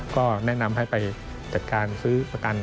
ก็แนะนำให้ไปจัดการซื้อประกัน